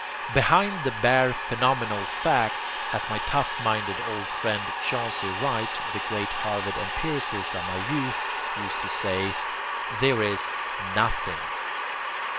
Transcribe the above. Behind the bare phenomenal facts, as my tough minded old friend Chauncey Wright, the great Harvard empiricist of my youth, used to say, there is NOTHING.